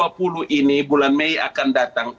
karena setelah u dua puluh ini bulan mei akan datang